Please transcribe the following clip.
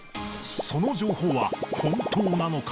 その情報は本当なのか？